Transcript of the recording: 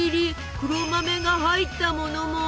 黒豆が入ったものも。